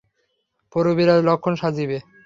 প্রবীর আজ লক্ষ্মণ সাজিবে।